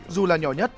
dù là nhỏ nhất